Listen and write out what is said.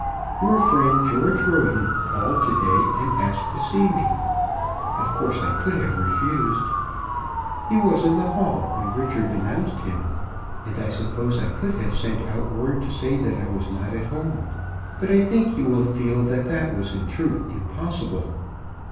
Your friend, George Roden, called to day and asked to see me. Of course I could have refused. He was in the hall when Richard announced him, and I suppose I could have sent out word to say that I was not at home. But I think you will feel that that was in truth impossible.